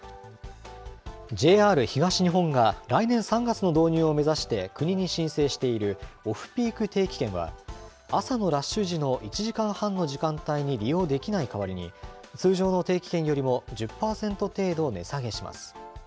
ＪＲ東日本が来年３月の導入を目指して国に申請しているオフピーク定期券は、朝のラッシュ時の１時間半の時間帯に利用できない代わりに、通常の定期券よりも１０％程度値下げします。